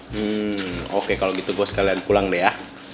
hmm oke kalau gitu gue sekalian pulang deh ya